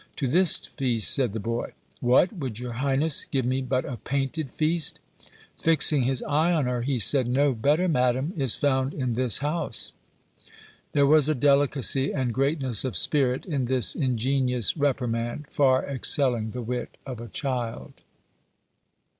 "To this feast," said the boy. "What! would your highness give me but a painted feast?" Fixing his eye on her, he said, "No better, madam, is found in this house." There was a delicacy and greatness of spirit in this ingenious reprimand far excelling the wit of a child.